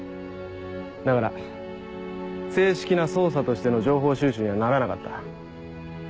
だから正式な捜査としての情報収集にはならなかった。